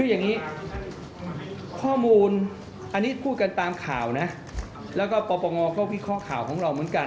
อันนี้พูดกันตามข่าวนะแล้วก็ปกป้องก็วิเคราะห์ของเราเหมือนกัน